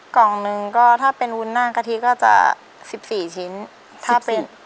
กล่องนึงถ้าเป็นวุ้นหน้ากะทิก็จะ๑๔ชิ้น